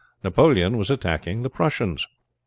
Napoleon was attacking the Prussians.